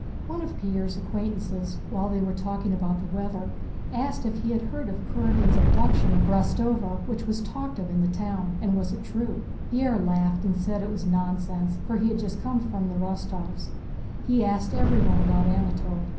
One of Pierre's acquaintances, while they were talking about the weather, asked if he had heard of Kurágin's abduction of Rostóva which was talked of in the town, and was it true? Pierre laughed and said it was nonsense for he had just come from the Rostóvs'. He asked everyone about Anatole.